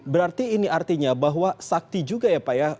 berarti ini artinya bahwa sakti juga ya pak ya